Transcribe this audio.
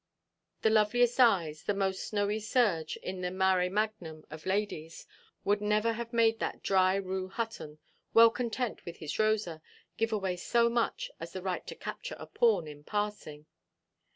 The loveliest eyes, the most snowy surge, in the "mare magnum" of ladies, would never have made that dry Rue Hutton, well content with his Rosa, give away so much as the right to capture a pawn in passing.